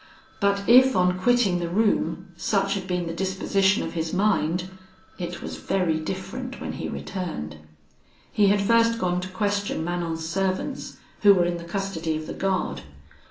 But if, on quitting the room, such had been the disposition of his mind, it was very different when he returned. He had first gone to question Manon's servants, who were in the custody of the guard.